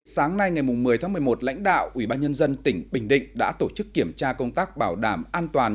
sáng nay ngày một mươi tháng một mươi một lãnh đạo ubnd tỉnh bình định đã tổ chức kiểm tra công tác bảo đảm an toàn